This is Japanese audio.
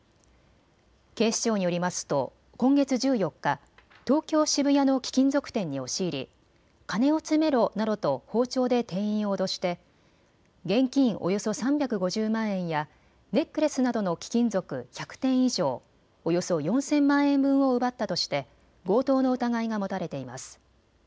警視庁によりますと今月１４日、東京渋谷の貴金属店に押し入り金を詰めろなどと包丁で店員を脅して現金およそ３５０万円やネックレスなどの貴金属１００点以上、およそ４０００万円分を奪ったとして強盗の疑いが持たれています。